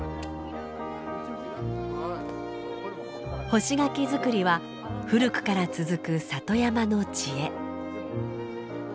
干し柿作りは古くから続く里山の知恵。